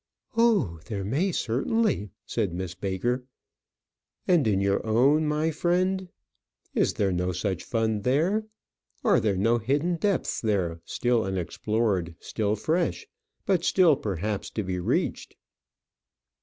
"Oh, there may, certainly," said Miss Baker. "And in your own, my friend? Is there no such fund there? Are there no hidden depths there unexplored, still fresh, but still, perhaps still to be reached?"